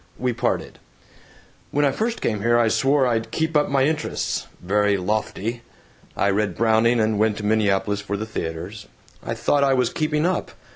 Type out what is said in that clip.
We parted. "When I first came here I swore I'd 'keep up my interests.' Very lofty! I read Browning, and went to Minneapolis for the theaters. I thought I was 'keeping up.'